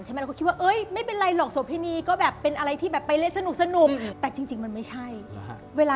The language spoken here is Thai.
เหมือนกับเป็นบทอะ